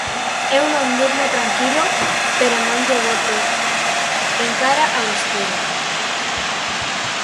Eu non durmo tranquilo pero non llo boto en cara a vostede.